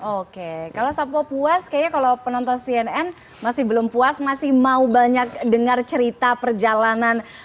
oke kalau sampo puas kayaknya kalau penonton cnn masih belum puas masih mau banyak dengar cerita perjalanan